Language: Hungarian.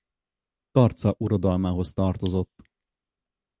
Tarca uradalmához tartozott.